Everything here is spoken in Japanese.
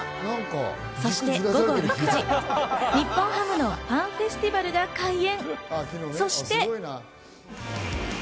そして午後６時、日本ハムのファンフェスティバルが開演。